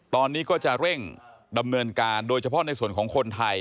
ตอนนี้ก็จะเร่งดำเนินการโดยเฉพาะในส่วนของคนไทย